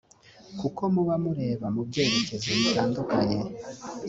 kuko muba mureba mu byerekezo bitandukanye